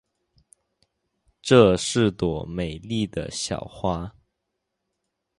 这是朵美丽的小花。